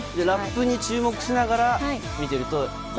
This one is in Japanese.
ラップに注目しながら見ていると。